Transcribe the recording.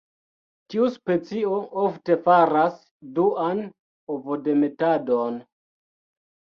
Tiu specio ofte faras duan ovodemetadon.